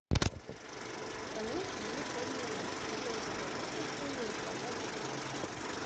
Таму існуе чорны рынак, дзе той жа мазут каштуе ўдвая больш.